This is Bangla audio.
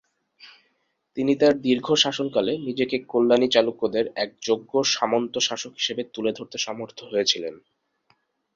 তিনি তার দীর্ঘ শাসনকালে নিজেকে কল্যাণী চালুক্যদের এক যোগ্য সামন্ত শাসক হিসেবে তুলে ধরতে সমর্থ হয়েছিলেন।